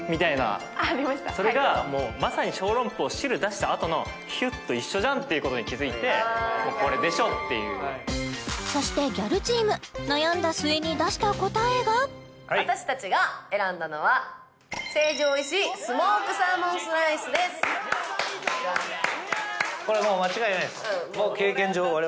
はいそれがもうまさに小籠包汁出したあとのヒュッと一緒じゃんっていうことに気付いてもうこれでしょっていうそしてギャルチーム悩んだ末に出した答えが私たちが選んだのはこれもう間違いないです